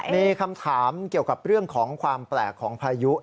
มีคำถามเกี่ยวกับเรื่องของความแปลกของพายุ